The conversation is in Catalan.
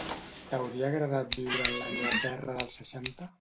T'hauria agradat viure en l'Anglaterra dels seixanta?